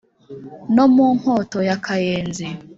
No mu Nkoto ya Kayenzi